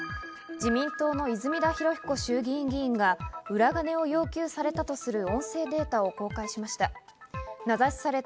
自民党の泉田裕彦衆議院議員が裏金を要求されたとする音声データを公開しました。